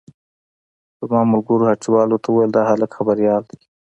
زما ملګرو هټيوالو ته وويل دا هلک خبريال دی.